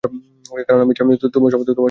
কারন আমি চাই তোমার সমস্ত সময় আমার সাথে কাটাও।